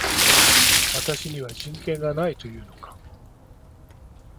私には人権がないと言うのか